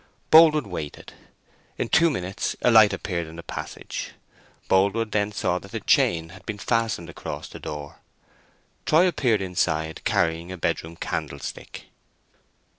Boldwood waited. In two minutes a light appeared in the passage. Boldwood then saw that the chain had been fastened across the door. Troy appeared inside, carrying a bedroom candlestick.